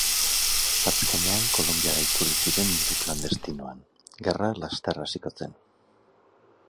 Azkenean, Kolonbiara itzuli ziren modu klandestinoan, gerra laster hasiko zen.